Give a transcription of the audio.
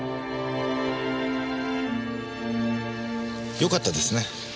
よかったですね。